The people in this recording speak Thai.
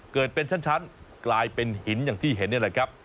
เกิดเป็นชั้นกลายเป็นหินอย่างที่เห็นนี่แหละครับ